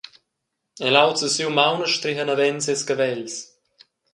El aulza siu maun e streha naven ses cavels.